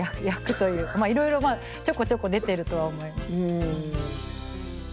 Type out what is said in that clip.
役というかいろいろまあちょこちょこ出てるとは思います。